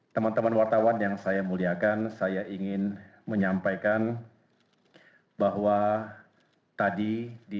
teman teman wartawan yang saya muliakan saya ingin menyampaikan bahwa tadi di